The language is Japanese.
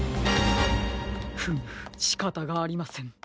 フムしかたがありません。